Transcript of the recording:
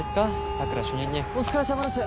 佐久良主任にお疲れさまです